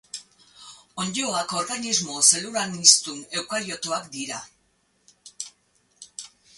Onddoak organismo zelulaniztun eukariotoak dira.